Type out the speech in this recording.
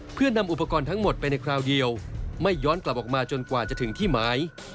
เพื่อนำอุปกรณ์ทั้งหมดไปในคราวเดียวไม่ย้อนกลับออกมาจนกว่าจะถึงที่หมาย